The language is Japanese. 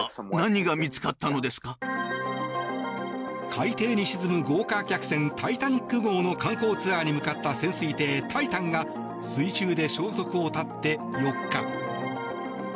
海底に沈む豪華客船「タイタニック号」の観光ツアーに向かった潜水艇「タイタン」が水中で消息を絶って４日。